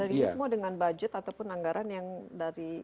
ini semua dengan budget ataupun anggaran yang dari